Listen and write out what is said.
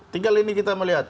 tinggal ini kita melihat